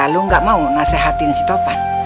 lu gak mau nasehatin si topan